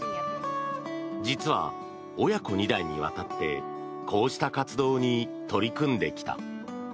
実は親子２代にわたってこうした活動に取り組んできた。